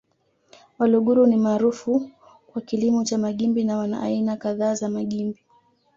Waluguru ni maarufu kwa kilimo cha magimbi na wana aina kadhaa za magimbi